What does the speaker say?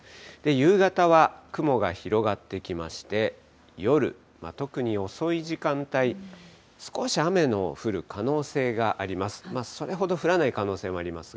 夕方は雲が広がってきまして、夜、特に遅い時間帯、少し雨の降る可能性があります。